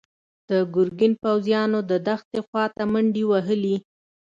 د ګرګين پوځيانو د دښتې خواته منډې وهلي.